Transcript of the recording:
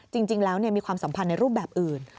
จริงแล้วมีความสัมพันธ์ในรูปแบบอื่น